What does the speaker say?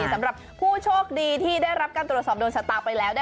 สำหรับผู้โชคดีที่ได้รับการตรวจสอบโดนชะตาไปแล้ว